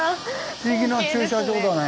不思議な駐車場だね。